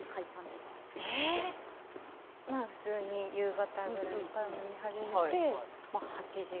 普通に夕方くらいから飲み始めて８時。